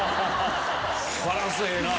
バランスええなぁ。